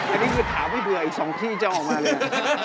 อันนี้คือถามให้เบื่ออีก๒ที่จะออกมาเลย